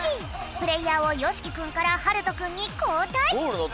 プレーヤーをよしきくんからはるとくんにこうたい。